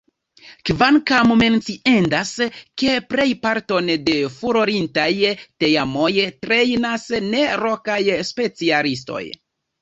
Kvankam menciendas, ke plejparton de furorintaj teamoj trejnas ne lokaj specialistoj.